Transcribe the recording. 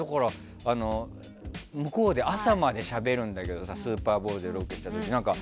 向こうで朝までしゃべるんだけどさスーパーボウルでロケした時。